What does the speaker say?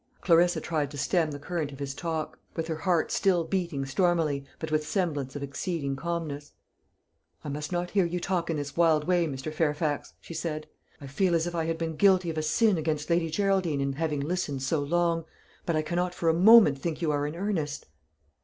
Clarissa tried to stem the current of his talk, with her heart still beating stormily, but with semblance of exceeding calmness. "I must not hear you talk in this wild way, Mr. Fairfax," she said. "I feel as if I had been guilty of a sin against Lady Geraldine in having listened so long. But I cannot for a moment think you are in earnest."